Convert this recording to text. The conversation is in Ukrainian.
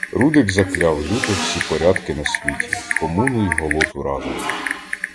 Рудик закляв люто всі порядки на світі, комуну й голоту разом.